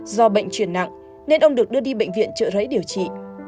do bệnh truyền nặng nên ông được đưa đi bệnh viện trợ rẫy điều trị